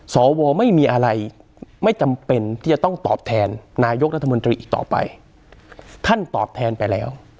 สวไม่มีอะไรไม่จำเป็นที่จะต้องตอบแทนนายกรัฐมนตรีอีกต่อไปท่านตอบแทนไปแล้ว